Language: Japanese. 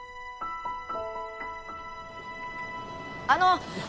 あの！